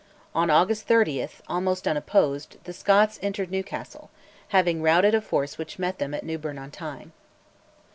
On August 30, almost unopposed, the Scots entered Newcastle, having routed a force which met them at Newburn on Tyne.